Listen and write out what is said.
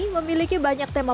memiliki banyak penumpang